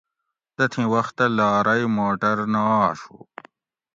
تتھیں وختہ لارئ موٹر نہ آشو